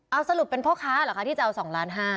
เอาสรุปเป็นพ่อค้าเหรอคะที่จะเอา๒ล้าน๕